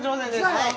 はい！